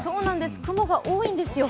雲が多いんですよ。